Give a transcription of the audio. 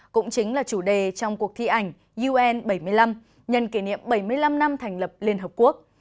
cũng chính là chủ đề trong cuộc thi ảnh un bảy mươi năm nhân kỷ niệm bảy mươi năm năm thành lập liên hợp quốc